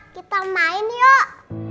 kita main yuk